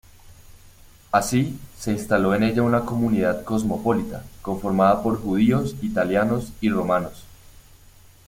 Así, se instaló en ella una comunidad cosmopolita, conformada por judíos, italianos y romanos.